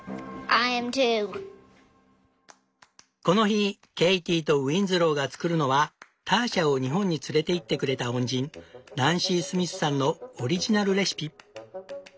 この日ケイティとウィンズローが作るのはターシャを日本に連れていってくれた恩人ナンシー・スミスさんのオリジナルレシピ。